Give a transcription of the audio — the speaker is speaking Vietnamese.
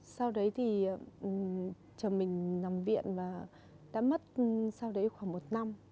sau đấy thì chồng mình nằm viện và đã mất sau đấy khoảng một năm